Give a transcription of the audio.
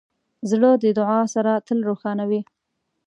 زړه د دعا سره تل روښانه وي.